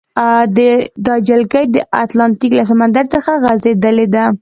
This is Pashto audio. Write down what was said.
دا جلګې د اتلانتیک له سمندر څخه غزیدلې دي.